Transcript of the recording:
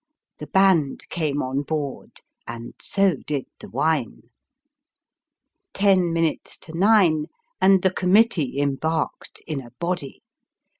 The baud came on board, and so did the wine. 296 Sketches by Boz. Ten minutes to nine, and the committee embarked in a body.